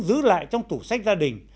giữ lại trong tủ sách gia đình